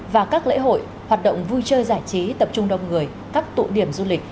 và các lễ hội hoạt động vui chơi giải trí tập trung đông người các tụ điểm du lịch